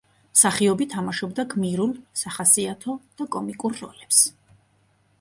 მსახიობი თამაშობდა გმირულ, სახასიათო და კომიკურ როლებს.